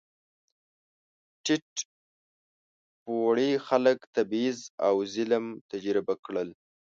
ټیټ پوړي خلک تبعیض او ظلم تجربه کړل.